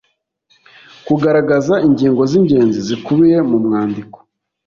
Kugaragaza ingingo z’ingenzi zikubiye mu mwandiko